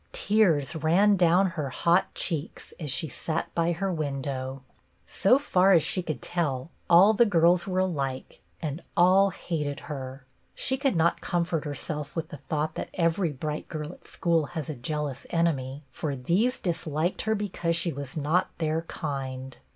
Tears ran down her hot cheeks as she sat by her window. So far as she could tell all the girls were alike, and all hated her. She could not comfort herself with the thought that every bright girl at school has a jealous enemy, for these disliked her because she was not their kind.